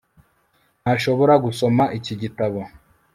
Ntashobora gusoma iki gitabo